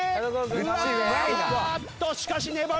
うわあっとしかし粘る。